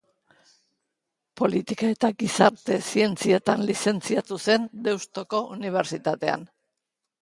Politika eta Gizarte Zientzietan lizentziatu zen Deustuko Unibertsitatean.